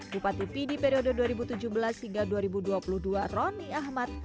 bupati pidi periode dua ribu tujuh belas hingga dua ribu dua puluh dua roni ahmad